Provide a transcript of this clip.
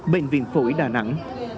bệnh viện phổi đà nẵng